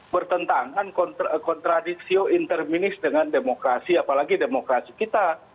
pertentangan kontradiksi inter minist dengan demokrasi apalagi demokrasi kita